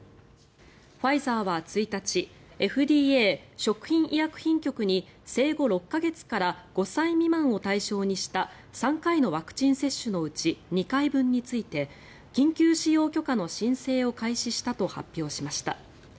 ファイザーは１日ＦＤＡ・食品医薬品局に生後６か月から５歳未満を対象にした３回のワクチン接種のうち２回分について緊急使用許可の申請を開始したと発表しました。